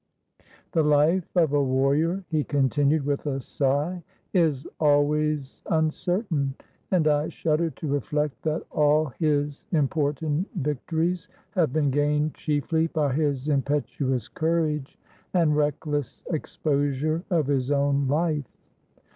The fife of a warrior," he continued with a sigh, "is always uncertain. And I shudder to reflect that 195 GREECE all his important victories have been gained chiefly by his impetuous courage and reckless exposure of his own life."